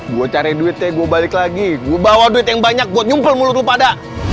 gue cari duit deh gue balik lagi gue bawa duit yang banyak buat nyumpel mulut lu pada